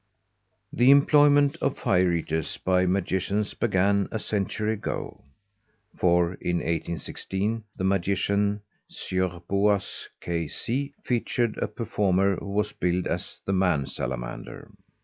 The employment of fire eaters by magicians began a century ago; for in 1816 the magician Sieur Boaz, K. C., featured a performer who was billed as the "Man Salamander."